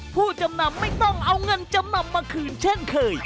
ผู้จำนำไม่ต้องเอาเงินจำนำมาคืนเช่นเคย